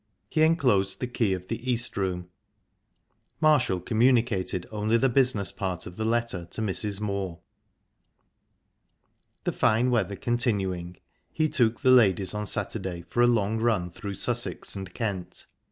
He enclosed the key of the East Room. Marshall communicated only the business part of the letter to Mrs. Moor. The fine weather continuing, he took the ladies on Saturday for a long run through Sussex and Kent.